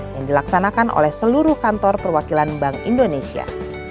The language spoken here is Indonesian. yang dilaksanakan oleh seluruh kantor perwakilan bank indonesia